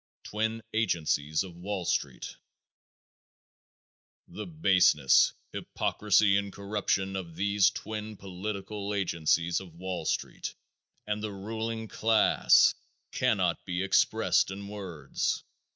Twin Agencies of Wall Street. The baseness, hypocrisy and corruption of these twin political agencies of Wall Street and the ruling class cannot be expressed in words.